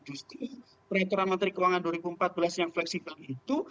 justru peraturan menteri keuangan dua ribu empat belas yang fleksibel itu